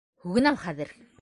Һүгенәм хәҙер!